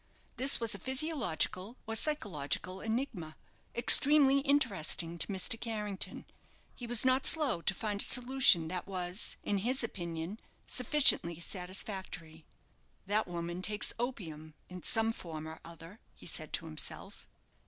This was a physiological or psychological enigma, extremely interesting to Mr. Carrington. He was not slow to find a solution that was, in his opinion, sufficiently satisfactory. "That woman takes opium in some form or other," he said to himself.